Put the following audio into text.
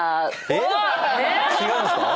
えっ⁉違うんすか？